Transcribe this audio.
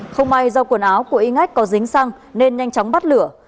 không may do quần áo của in ngách có dính xăng nên nhanh chóng bắt lửa